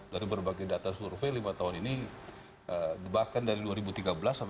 dari berbagai data survei lima tahun ini bahkan dari dua ribu tiga belas sampai dua ribu